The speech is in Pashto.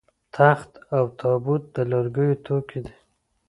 تخت او تابوت د لرګیو توکي دي